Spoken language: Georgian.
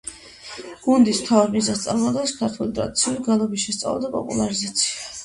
გუნდის მთავარ მიზანს წარმოადგენს ქართული ტრადიციული გალობის შესწავლა და პოპულარიზაცია.